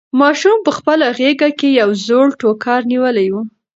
ماشوم په خپله غېږ کې یو زوړ ټوکر نیولی و.